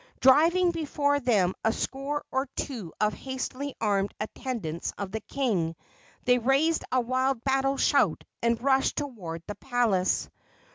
Driving before them a score or two of hastily armed attendants of the king, they raised a wild battle shout and rushed toward the palace.